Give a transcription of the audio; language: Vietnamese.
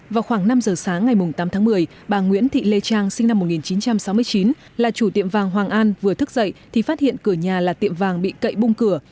vào khoảng năm giờ sáng ngày tám tháng một mươi bà nguyễn thị lê trang sinh năm một nghìn chín trăm sáu mươi chín là chủ tiệm vàng hoàng an vừa thức dậy thì phát hiện cửa nhà là tiệm vàng bị cậy bung cửa